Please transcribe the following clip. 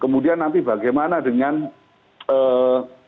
kemudian nanti bagaimana dengan ee